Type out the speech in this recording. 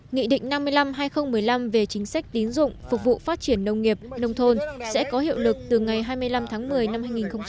nghị định năm mươi năm hai nghìn một mươi năm về chính sách tín dụng phục vụ phát triển nông nghiệp nông thôn sẽ có hiệu lực từ ngày hai mươi năm tháng một mươi năm hai nghìn một mươi chín